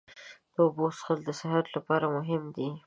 د اوبو څښل د صحت لپاره مهم دي.